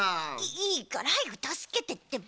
いいからはやくたすけてってば。